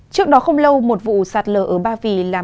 trước đó không lâu một vụ sạt lở ở ba vì làm